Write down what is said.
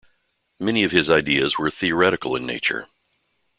Many of his idea's were theoretical in nature.